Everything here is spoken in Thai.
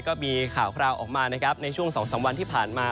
ก็มีข่าวคราวออกมานะครับในช่วง๒๓วันที่ผ่านมา